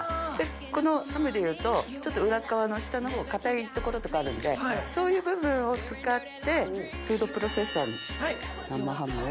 このハムでいうと裏っ側の下の方硬い所とかあるんでそういう部分を使ってフードプロセッサーに生ハムを。